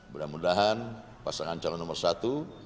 dan mudah mudahan pasangan calon nomor satu